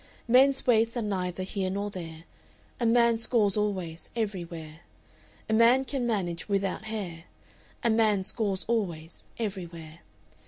"Men's waists are neither here nor there; A man scores always, everywhere. "A man can manage without hair; A man scores always, everywhere.